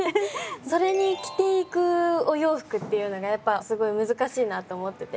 それに着ていくお洋服っていうのがやっぱすごい難しいなと思ってて。